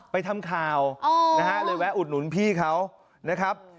ไปทำข่าวนะฮะเลยแวะอุดหนุนพี่เขานะครับ